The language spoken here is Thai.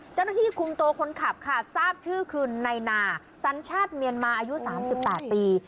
เจ้าหน้าที่คุมตัวคนขับค่ะทราบชื่อคือนายนาสัญชาติเมียนมาอายุ๓๘ปี